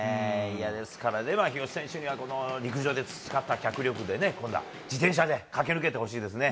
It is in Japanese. ですからね、日吉選手には、陸上で培った脚力でね、今度は自転車で駆け抜けてほしいですね。